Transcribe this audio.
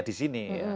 ya di sini